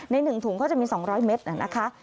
ใน๑ถุงก็จะมี๒๐๐เมตรนะคะ